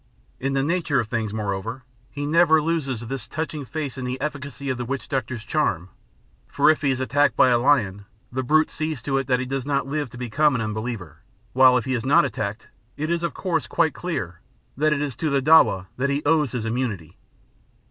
In the nature of things, moreover, he never loses this touching faith in the efficacy of the witch doctor's charm; for if he is attacked by a lion, the brute sees to it that he does not live to become an unbeliever, while if he is not attacked, it is of course quite clear that it is to the dawa that he owes his immunity.